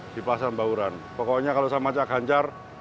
di pasar mbah uran pokoknya kalau sama cak ganjar